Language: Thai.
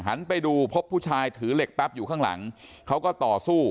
หันไปดูพบผู้ชายถือเหล็กแป๊บอยู่ข้างหลังเขาก็ต่อสู้